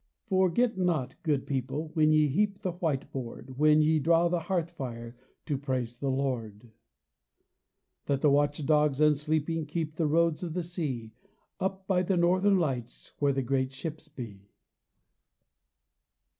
Forget not, good people, When ye heap the white board, When ye draw to the hearth fire, To praise the Lord, THE OPEN ROAD 65 That the watch dogs unsleeping Keep the roads of the Sea, Up by the Northern Lights Where the great ships be.